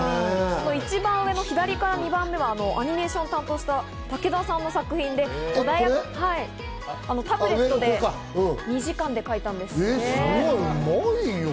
１番上の左から２番目は、アニメーションを担当した竹田さんの作品で、タブレットで２時間で描いたんです。